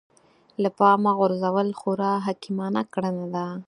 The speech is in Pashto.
له پامه غورځول خورا حکيمانه کړنه ده.